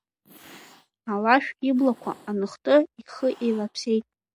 Алашә иблақәа аныхты, ихы еилаԥсеит.